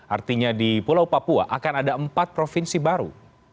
artinya di pulau papua akan ada empat provinsi baru